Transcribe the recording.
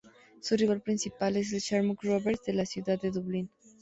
Su rival principal es el Shamrock Rovers de la ciudad de Dublín.